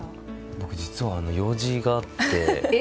僕、実は用事があって。